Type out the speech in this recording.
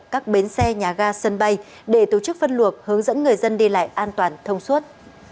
các bến xe nhà ga sân bay để tổ chức phân luộc hướng dẫn người dân đi lại an toàn thông suốt